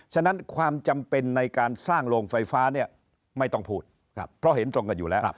ฉะนั้นความจำเป็นในการสร้างโรงไฟฟ้าเนี่ยไม่ต้องพูดเพราะเห็นตรงกันอยู่แล้ว